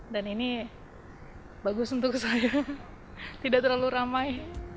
dan ini bagus untuk saya tidak terlalu ramai